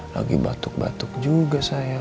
lagi batuk batuk juga saya